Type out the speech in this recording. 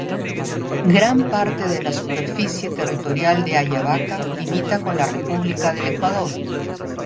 Gran parte de la superficie territorial de Ayabaca limita con la República del Ecuador.